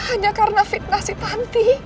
hanya karena fitnah si panti